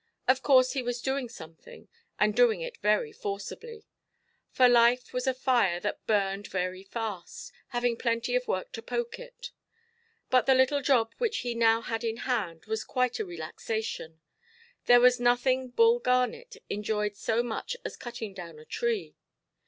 Of course he was doing something, and doing it very forcibly. His life was a fire that burned very fast, having plenty of work to poke it. But the little job which he now had in hand was quite a relaxation: there was nothing Bull Garnet enjoyed so much as cutting down a tree.